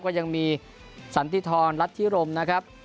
ก็ยังมีสันติธรรัฐธิรมนะครับ